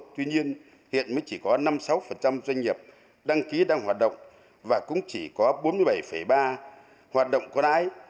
tuy nhiên hiện mới chỉ có năm sáu doanh nghiệp đăng ký đang hoạt động và cũng chỉ có bốn mươi bảy ba hoạt động còn ái